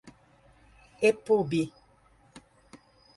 epub